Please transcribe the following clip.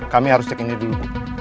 kami harus cek ini dulu